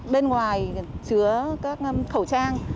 bên ngoài chứa các khẩu trang